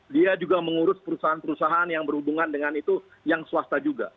dia juga mengurus perusahaan perusahaan yang berhubungan dengan itu yang swasta juga